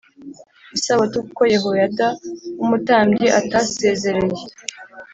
Isabato kuko yehoyada w umutambyi atasezereye